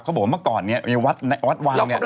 เขาบอกว่าเมื่อก่อนมีวาดวางเนี่ย